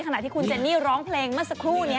ขณะที่คุณเจนนี่ร้องเพลงเมื่อสักครู่นี้